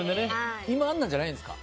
今、あんなんじゃないんですか？